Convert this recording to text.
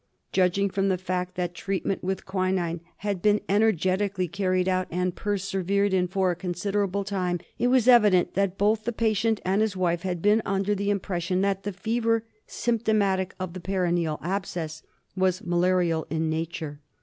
Judging from the fact that treatment with quinine had been energetically carried out and persevered 158 DIAGNOSIS OF MALARIA. in for a considerable time, it was evident that both the patient and his wife had been under the impression that the fever symptomatic of the perineal abscess was ma larial in nature.